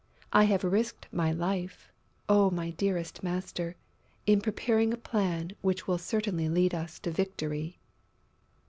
I have risked my life, O my dearest master, in preparing a plan which will certainly lead us to victory!"